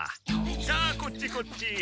さあこっちこっち。